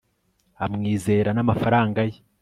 amwizera n'amafaranga ye